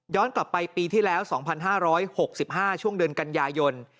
กลับไปปีที่แล้ว๒๕๖๕ช่วงเดือนกันยายน